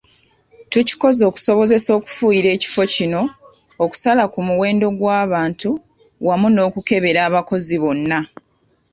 Tukikoze okusobozesa okufuuyira ekifo kino, okusala ku muwendo gw’abantu wamu n’okukebera abakozi bonna.